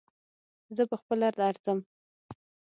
زه په خپله درځم